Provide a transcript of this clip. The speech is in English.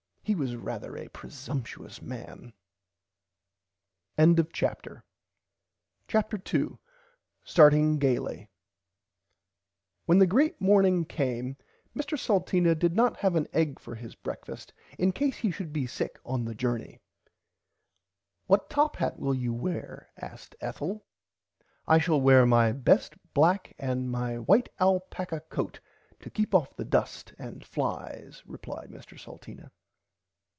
He was rarther a presumshious man. [Illustration: THE FIRST PAGE OF THE ORIGINAL MANUSCRIPT] [Pg 27] CHAPTER 2 STARTING GAILY When the great morning came Mr Salteena did not have an egg for his brekfast in case he should be sick on the jorney. What top hat will you wear asked Ethel. I shall wear my best black and my white alpacka coat to keep off the dust and flies replied Mr Salteena.